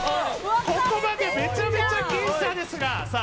ここまでめちゃめちゃ僅差ですがさあ